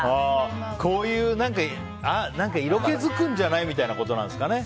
こういう色気づくんじゃない？みたいなことなんですかね。